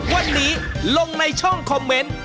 วันนี้ลงในช่องคอมเมนต์